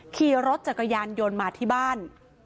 ขี่รถจักรยานยนต์มาที่บ้าน